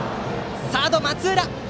サードの松浦！